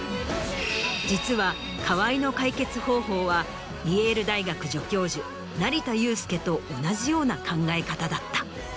実は河合の解決方法はイェール大学助教授成田悠輔と同じような考え方だった。